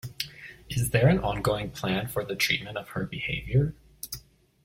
Is there an ongoing plan for the treatment of her behaviour?